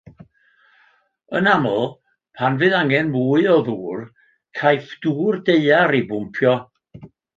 Yn aml, pan fydd angen mwy o ddŵr, caiff dŵr daear ei bwmpio.